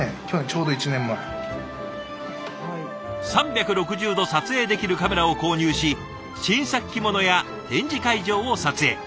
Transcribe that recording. ３６０度撮影できるカメラを購入し新作着物や展示会場を撮影。